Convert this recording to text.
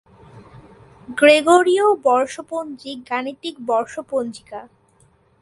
গ্রেগরীয় বর্ষপঞ্জী গাণিতিক বর্ষ পঞ্জিকা।